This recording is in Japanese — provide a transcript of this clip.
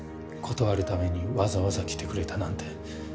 断るためにわざわざ来てくれたなんて。